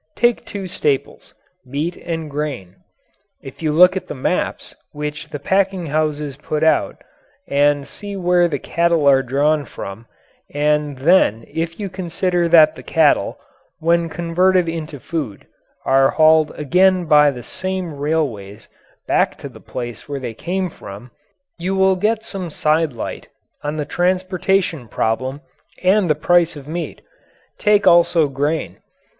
Take two staples meat and grain. If you look at the maps which the packing houses put out, and see where the cattle are drawn from; and then if you consider that the cattle, when converted into food, are hauled again by the same railways right back to the place where they came from, you will get some sidelight on the transportation problem and the price of meat. Take also grain.